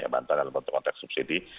bantuan dalam konteks subsidi